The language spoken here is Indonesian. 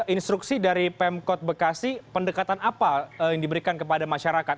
instruksi dari pemkot bekasi pendekatan apa yang diberikan kepada masyarakat